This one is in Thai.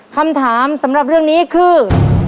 คำถามสำหรับเรื่องนี้คือ